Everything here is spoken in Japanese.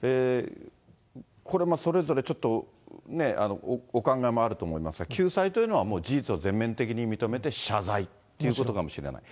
これもそれぞれちょっとお考えもあると思いますが、救済というのはもう事実を全面的に認めて謝罪ということかもしれない。